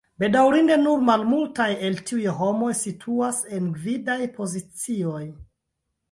Bedaŭrinde nur malmultaj el tiuj homoj situas en gvidaj pozicioj.